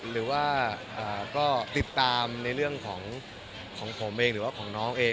หรือว่าก็ติดตามในเรื่องของผมเองหรือว่าของน้องเอง